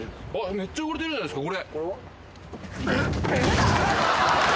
めっちゃ汚れてるじゃないっすか。